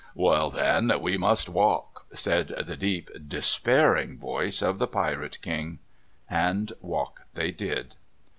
"Well then, we must walk," said the deep despairing voice of the Pirate King. And walk they did.